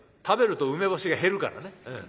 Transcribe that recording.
食べると梅干しが減るからね。